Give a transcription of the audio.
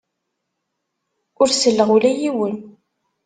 Ur selleɣ ula i yiwen.